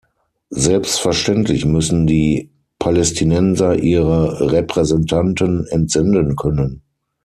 Selbstverständlich müssen die Palästinenser ihre Repräsentanten entsenden können.